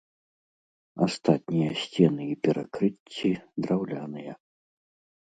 Астатнія сцены і перакрыцці драўляныя.